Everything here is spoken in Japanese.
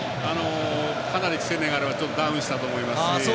かなりセネガルはダウンしたと思いますし。